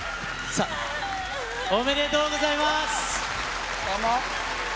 おめでとうございます。